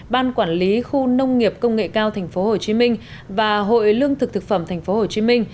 ban quản lý khu nông nghiệp công nghệ cao tp hcm và hội lương thực thực phẩm tp hcm